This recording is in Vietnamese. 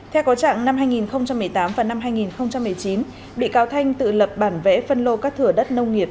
theo có trạng năm hai nghìn một mươi tám và năm hai nghìn một mươi chín bị cáo thanh tự lập bản vẽ phân lô các thửa đất nông nghiệp